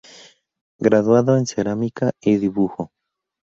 Graduado en Cerámica y Dibujo.